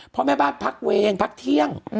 พ่อแม่บ้านพักเวรพักเที่ยง